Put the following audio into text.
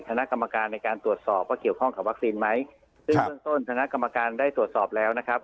คณะกรรมการในการตรวจสอบว่าเกี่ยวข้องกับวัคซีนไหมซึ่งเบื้องต้นคณะกรรมการได้ตรวจสอบแล้วนะครับ